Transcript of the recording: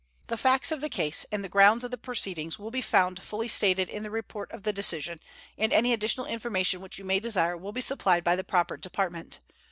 The facts of the case and the grounds of the proceedings will be found fully stated in the report of the decision, and any additional information which you may desire will be supplied by the proper Department.